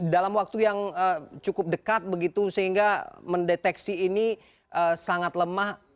dalam waktu yang cukup dekat begitu sehingga mendeteksi ini sangat lemah